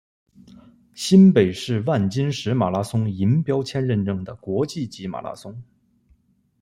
新北市万金石马拉松银标签认证的国际级马拉松。